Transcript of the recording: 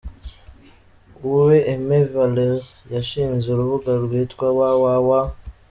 Uwe Aimé Valeur, yashinze urubuga rwitwa www.